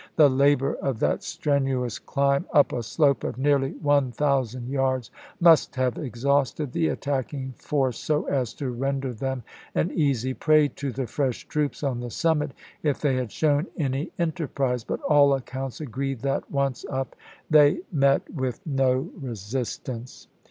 The labor of that strenuous climb up a slope of nearly one thousand yards must have exhausted the attack ing force, so as to render them an easy prey to the fresh troops on the summit if they had shown any enterprise; but all accounts agree that, once up, they met with no resistance.